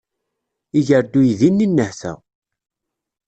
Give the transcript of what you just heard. Iger-d uydi-nni nnehta.